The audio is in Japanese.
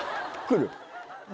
来る？